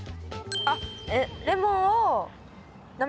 あっ！